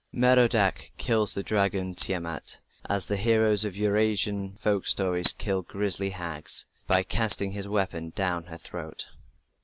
Merodach kills the dragon, Tiamat, as the heroes of Eur Asian folk stories kill grisly hags, by casting his weapon down her throat.